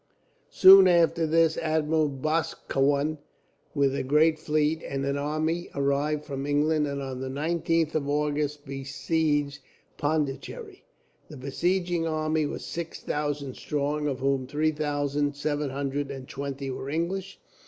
"Soon after this Admiral Boscawen, with a great fleet and an army, arrived from England; and on 19th of August besieged Pondicherry. The besieging army was six thousand strong; of whom three thousand, seven hundred and twenty were English.